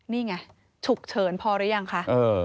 นี่ไงฉุกเฉินพอหรือยังคะ